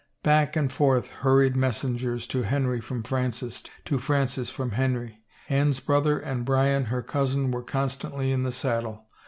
Back and forth hurried messengers to Henry from Francis, to Francis from Henry; Anne's brother and Bryan, her cousin, were constantly in the saddle.